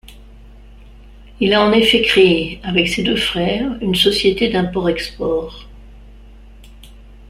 Il y a en effet créé, avec ses deux frères, une société d'import-export.